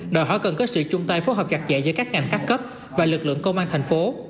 đòi hỏi cần có sự chung tay phối hợp chặt chẽ giữa các ngành các cấp và lực lượng công an thành phố